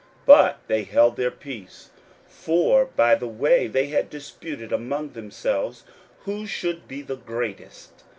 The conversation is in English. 41:009:034 But they held their peace: for by the way they had disputed among themselves, who should be the greatest.